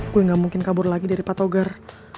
gue gak mungkin kabur lagi dari patogar